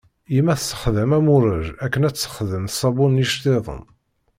Yemma tsexdam amuṛej akken ad texdem ṣṣabun n yiceṭṭiḍen.